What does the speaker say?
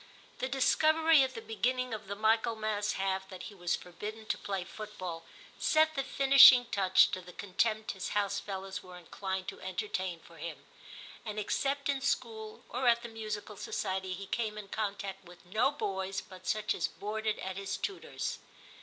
The discovery at the beginning of the Michaelmas half that he was forbidden to play football, set the finishing touch to the contempt his house fellows were inclined to entertain for him, and except in school or at the musical society he came in contact with I20 TIM CHAP, no boys but such as boarded at his tutor's.